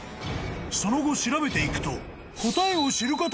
［その後調べていくと］